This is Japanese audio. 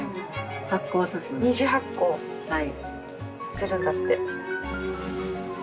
２次発酵させるんだって。